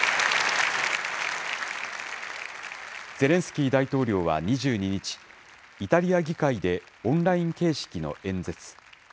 ゼレンスキー大統領は２２日、イタリア議会でオンライン形式の演説。